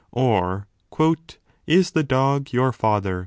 or Is the dog your father